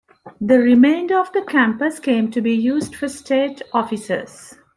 The remainder of the campus came to be used for state offices.